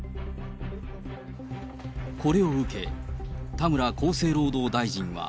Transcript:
これを受け、田村厚生労働大臣は。